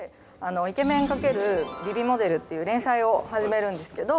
イケメン×ＶｉＶｉモデルという連載を始めるんですけど。